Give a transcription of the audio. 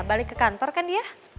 balik ke kantor kan dia